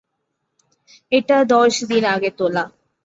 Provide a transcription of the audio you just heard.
এটা দশ দিন আগে তোলা।